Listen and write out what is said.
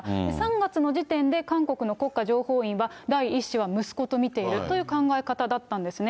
３月の時点で韓国の国家情報院は、第１子は息子と見ているという考え方だったんですね。